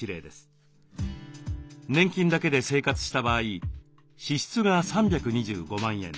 年金だけで生活した場合支出が３２５万円。